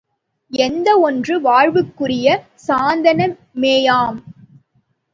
எந்த ஒன்றும் வாழ்வுக்குரிய சாதனமேயாம்.